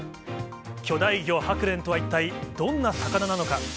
巨大魚、ハクレンとは一体どんな魚なのか。